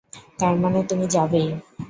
তারমানে তুমি যাবেই?